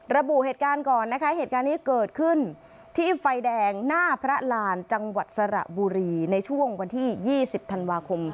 ระบุเหตุการณ์ก่อนนะคะเหตุการณ์นี้เกิดขึ้นที่ไฟแดงหน้าพระรานจังหวัดสระบุรีในช่วงวันที่๒๐ธันวาคม